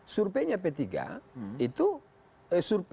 surpenya p tiga itu